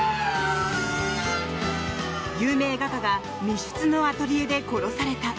有名画家が密室のアトリエで殺された。